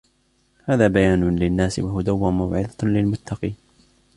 هذا بيان للناس وهدى وموعظة للمتقين